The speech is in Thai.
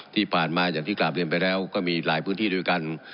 ที่ผ่านมาอย่างที่กราบเรียนไปแล้วก็มีหลายพื้นที่ด้วยกัน